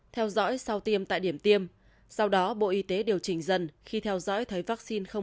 theo dõi sau tiêm tại điểm tiêm sau đó bộ y tế điều chỉnh dần khi theo dõi thấy vaccine không